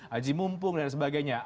haji mumpung dan sebagainya